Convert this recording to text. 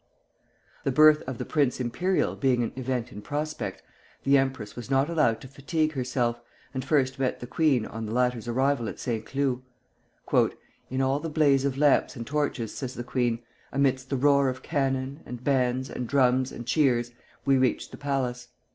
The birth of the Prince Imperial being an event in prospect, the empress was not allowed to fatigue herself, and first met the queen on the latter's arrival at Saint Cloud. "In all the blaze of lamps and torches," says the queen, "amidst the roar of cannon, and bands, and drums, and cheers, we reached the palace.